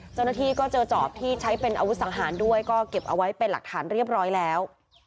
เจ้าหน้าที่ก็เจอจอบที่ใช้เป็นอาวุธสังหารด้วยก็เก็บเอาไว้เป็นหลักฐานเรียบร้อยแล้ว